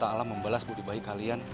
semoga allah swt membalas budi bayi kalian